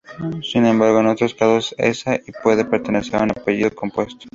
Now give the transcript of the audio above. Sin embargo, en otros casos esa "y" puede pertenecer a un apellido compuesto.